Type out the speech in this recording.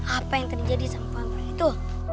apa yang terjadi sama pameran itu